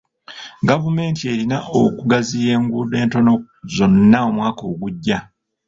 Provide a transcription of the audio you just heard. Gavumenti erina okugaziya enguudo entono zonna omwaka ogujja.